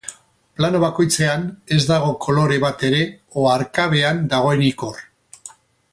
Plano bakoitzean, ez dago kolore bat ere oharkabean dagoenik hor.